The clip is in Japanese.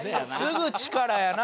すぐ力やな！